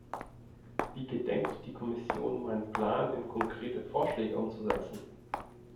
Wie gedenkt die Kommission, meinen Plan in konkrete Vorschläge umzusetzen?